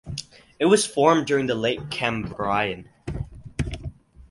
It was formed during the Late Cambrian.